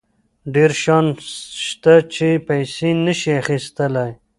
ډېر شیان شته چې پیسې یې نشي اخیستلی.